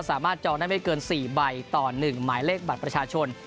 จองได้ไม่เกิน๔ใบต่อ๑หมายเลขบัตรประชาชน